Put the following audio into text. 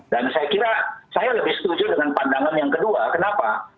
dan saya kira saya lebih setuju dengan pandangan yang kedua kenapa